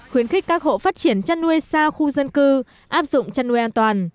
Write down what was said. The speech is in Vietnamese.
khuyến khích các hộ phát triển chăn nuôi xa khu dân cư áp dụng chăn nuôi an toàn